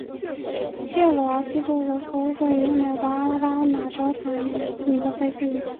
切罗基布鲁夫斯是位于美国阿拉巴马州塔拉普萨县的一个非建制地区。